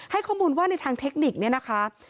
ให้ข้อมูลว่าในทางเทคนิคเนี่ยนะคะ